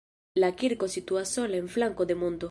La kirko situas sola en flanko de monto.